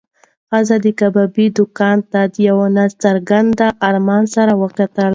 ښځې د کبابي دوکان ته د یو نا څرګند ارمان سره وکتل.